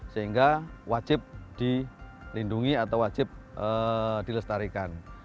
sehingga wajib dilindungi atau wajib dilestarikan